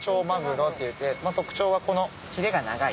特徴はヒレが長い。